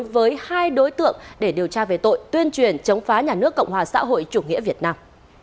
với hai đối tượng để điều tra về tội tuyên truyền chống phá nhà nước cộng hòa xã hội chủ nghĩa việt nam